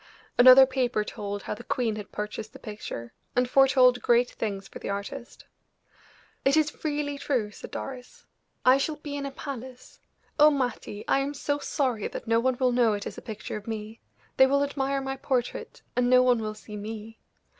Another paper told how the queen had purchased the picture, and foretold great things for the artist. "It is really true," said Doris. "I shall be in a palace. Oh, Mattie! I am so sorry that no one will know it is a picture of me; they will admire my portrait, and no one will see me.